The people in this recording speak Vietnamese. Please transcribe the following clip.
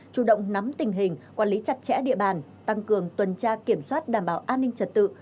chủ động nắm tình hình quản lý chặt chẽ địa bàn tăng cường tuần tra kiểm soát đảm bảo an ninh trật tự